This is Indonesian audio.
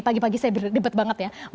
pagi pagi saya berdebat banget ya